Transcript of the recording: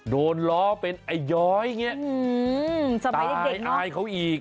โดนล้อเป็นไอ้ย้อยตายอายเขาอีก